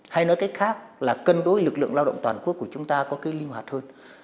hay nói cách khác là cân đối lực lượng lao động toàn quốc của chúng ta có cái linh hoạt hơn